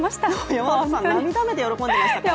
山本さん、涙目で喜んでましたからね。